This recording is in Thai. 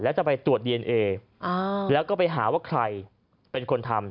แล้วจะไปตรวจดีเอนเอแล้วก็ไปหาว่าใครเป็นคนทำ